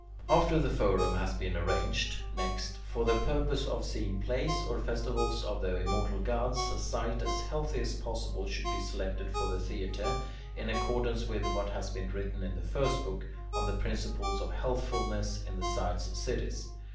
After the forum has been arranged, next, for the purpose of seeing plays or festivals of the immortal gods, a site as healthy as possible should be selected for the theatre, in accordance with what has been written in the first book, on the principles of healthfulness in the sites of cities.